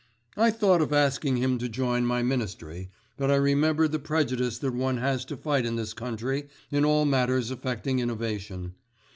I thought of asking him to join my Ministry, but I remembered the prejudice that one has to fight in this country in all matters affecting innovation.